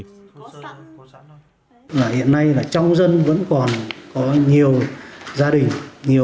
học viên bắc cạn huyện trở mới